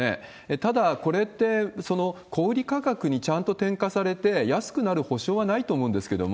ただ、これって、その小売価格にちゃんと転化されて、安くなる保障はないと思うんですけれども。